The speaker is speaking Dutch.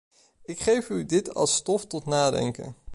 Ik geef u dit als stof tot nadenken.